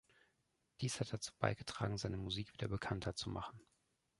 Dies hat dazu beigetragen, seine Musik wieder bekannter zu machen.